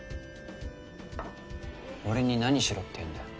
俺に何しろっていうんだよ。